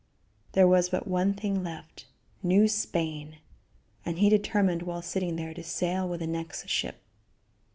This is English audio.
There was but one thing left New Spain; and he determined while sitting there to sail with the next ship.